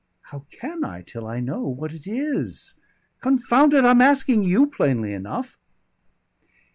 "How can I, till I know what it is? Confound it! I'm asking you plainly enough."